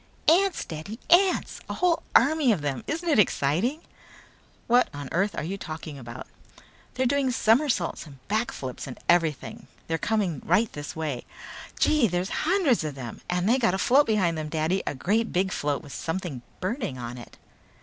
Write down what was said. "Ants, Daddy, ants! A whole army of them. Ain't it exciting?" "What on earth are you talking about?" "They're doing somersaults and back flips and everything! They're coming right this way! Gee, there's hundreds of them. And they got a float behind them, Daddy! A great big float with something burning on it."